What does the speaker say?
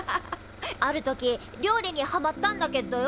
ある時料理にハマったんだけっどよ